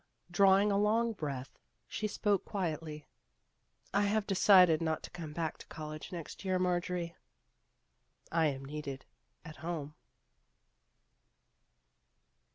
Then, drawing a long breath, she spoke quietly :" I have decided not to come back to college next year, Marjorie. I am needed at home."